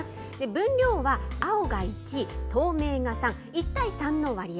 分量は青が１、透明が３、１対３の割合。